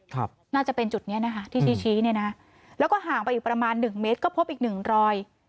น่าจะเป็นจุดเนี้ยนะคะที่ชี้ชี้เนี่ยนะแล้วก็ห่างไปอีกประมาณหนึ่งเมตรก็พบอีกหนึ่งรอย